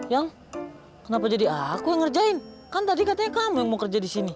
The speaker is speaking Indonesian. yang kenapa jadi aku yang ngerjain kan tadi katanya kamu yang mau kerja di sini